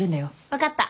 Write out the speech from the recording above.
分かった。